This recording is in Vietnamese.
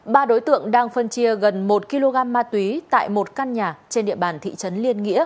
ba đối tượng đang phân chia gần một kg ma túy tại một căn nhà trên địa bàn thị trấn liên nghĩa